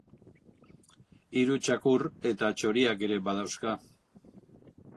Hiru txakur eta txoriak ere badauzka.